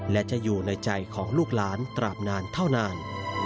และจะอยู่ในใจของลูกหลานตราบนานเท่านาน